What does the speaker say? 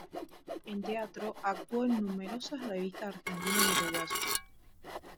En teatro actuó en numerosas revistas argentinas y uruguayas.